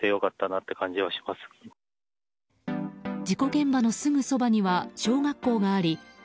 事故現場のすぐそばには小学校があり